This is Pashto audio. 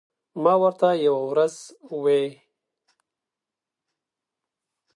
ما ورته یوه ورځ وې ـ